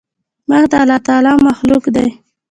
وخت د الله تعالي مخلوق دی.